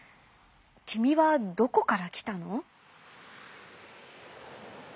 きみはどこからきたの？」。